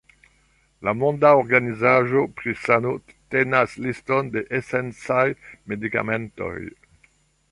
La Monda Organizaĵo pri Sano tenas liston de esencaj medikamentoj.